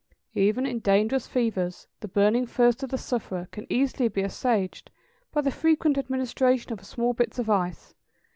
Even in dangerous fevers the burning thirst of the sufferer can safely be assuaged by the frequent administration of small bits of ice.